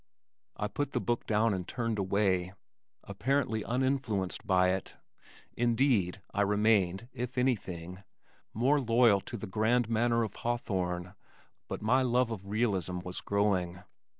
I put the book down and turned away, apparently uninfluenced by it. Indeed, I remained, if anything, more loyal to the grand manner of Hawthorne, but my love of realism was growing.